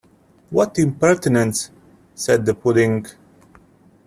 ‘What impertinence!’ said the pudding.